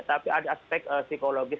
tapi ada aspek psikologi